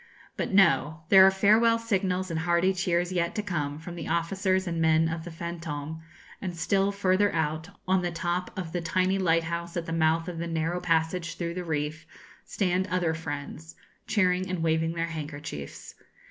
But no! there are farewell signals and hearty cheers yet to come from the officers and men of the 'Fantôme;' and, still further out, on the top of the tiny lighthouse at the mouth of the narrow passage through the reef, stand other friends, cheering and waving their handkerchiefs.